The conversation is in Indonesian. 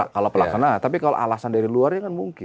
kalau pelaksana tapi kalau alasan dari luarnya kan mungkin